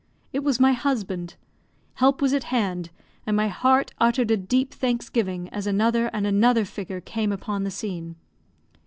It was my husband. Help was at hand, and my heart uttered a deep thanksgiving as another and another figure came upon the scene.